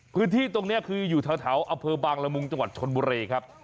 พื้นที่ตรงนี้คืออยู่แถวอำเภอบางละมุงจังหวัดชนบุรีครับ